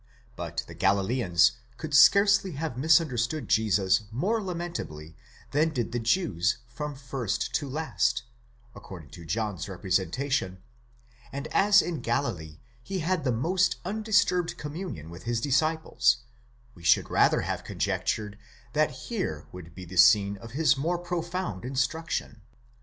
But the Galileans could scarcely have misunderstood Jesus more lamentably than did the Jews from first to last, according to John's representation, and as in Galilee he had the most undisturbed communion with his disciples, we should rather have conjectured that here would be the scene of his more profound instruction.